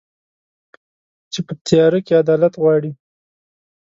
چي په تیاره کي عدالت غواړي